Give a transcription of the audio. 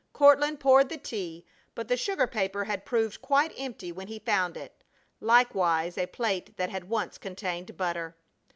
Courtland poured the tea, but the sugar paper had proved quite empty when he found it; likewise a plate that had once contained butter.